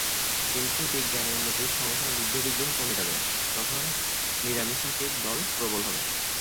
কিন্তু বিজ্ঞানের উন্নতির সঙ্গে সঙ্গে যুদ্ধবিগ্রহ কমে যাবে, তখন নিরামিষাশীর দল প্রবল হবে।